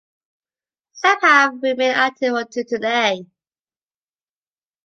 Some have remained active until today.